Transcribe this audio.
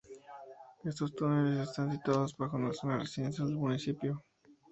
Estos túneles están situados bajo una zona residencial del municipio.